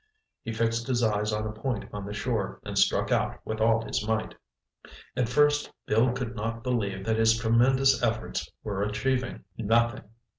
He fixed his eyes on a point on the shore and struck out with all his might. At first Bill could not believe that his tremendous efforts were achieving—nothing.